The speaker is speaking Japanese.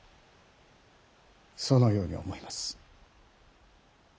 そのように思います。